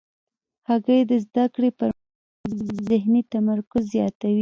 هګۍ د زده کړې پر مهال ذهني تمرکز زیاتوي.